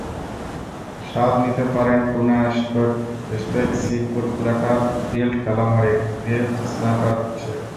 স্বাদ নিতে পারেন tuna steak, seafood platter, grilled কালামারির, গ্রিলড স্ন্যাপার ফিশের।